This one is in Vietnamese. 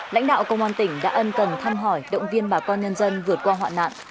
lãnh đạo công an tỉnh đã ân cần thăm hỏi động viên bà con nhân dân vượt qua hoạn nạn